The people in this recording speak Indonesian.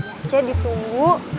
iya ce ditunggu